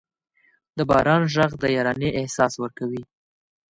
د باران ږغ د یارانې احساس ورکوي.